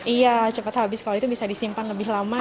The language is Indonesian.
iya cepat habis kalau itu bisa disimpan lebih lama